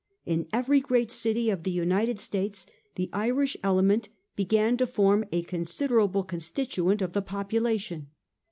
In every great city of the United States the Irish element began to form a considerable con stituent of the population.